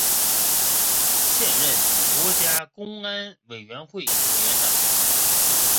现任国家公安委员会委员长。